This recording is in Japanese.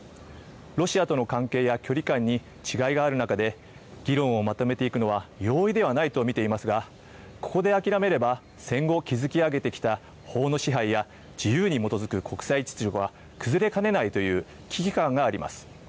ロシアとの関係や距離感に違いがある中で、議論をまとめていくのは容易ではないと見ていますが、ここで諦めれば、戦後築き上げてきた法の支配や自由に基づく国際秩序が崩れかねないという危機感があります。